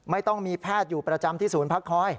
ไม่ต้องมีแพทย์อยู่ประจำที่ศูนย์พักคอย